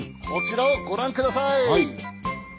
こちらをご覧ください。